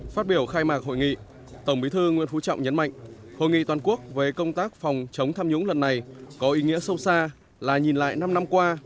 phát biểu khai mạc hội nghị tổng bí thư nguyễn phú trọng nhấn mạnh hội nghị toàn quốc về công tác phòng chống tham nhũng lần này có ý nghĩa sâu xa là nhìn lại năm năm qua